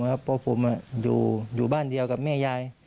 เพราะผมอยู่บ้านเดียวกับแม่ยาย